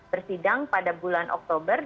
bersidang pada bulan oktober